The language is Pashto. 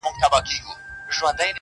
نه ښراوي سي تاوان ور رسولای-